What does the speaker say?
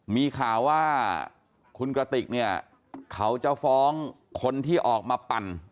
มีข่าวว่าคุณกระติกเนี่ยเขาจะฟ้องคนที่ออกมาปั่น